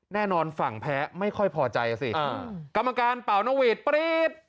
แน่นอนฝั่งแพ้ไม่ค่อยพอใจอ่ะสิกรรมการเป่านกหวีดปรี๊ด